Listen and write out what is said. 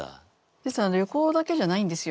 ですが旅行だけじゃないんですよ。